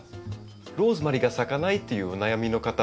ローズマリーが咲かないというお悩みの方